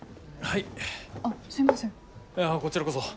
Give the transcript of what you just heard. いやこちらこそ。